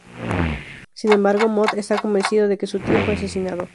Sin embargo, "Moth" está convencido de que su tío fue asesinado.